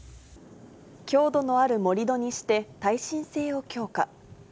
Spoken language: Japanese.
強度のある盛り土にして、耐震性を強化。